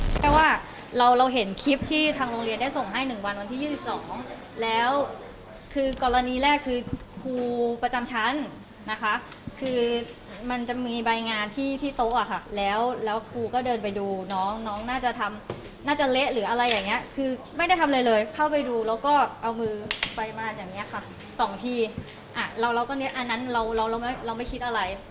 แต่ว่าเราเห็นคลิปที่ทางโรงเรียนได้ส่งให้๑วันวันที่๒๒แล้วคือกรณีแรกคือครูประจำชั้นนะคะคือมันจะมีใบงานที่โต๊ะค่ะแล้วครูก็เดินไปดูน้องน่าจะเละหรืออะไรอย่างนี้คือไม่ได้ทำเลยเลยเข้าไปดูแล้วก็เอามือไปมาแบบนี้ค่ะสองทีเราก็เรียกอันนั้นเราไม่คิดอะไร